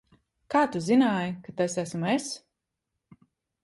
Kā tu zināji, ka tas esmu es?